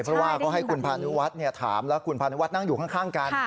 เพราะว่าเขาให้คุณพานุวัฒน์ถามแล้วคุณพานุวัฒนั่งอยู่ข้างกัน